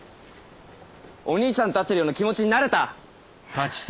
お兄さんと会ってるような気持ちになれた？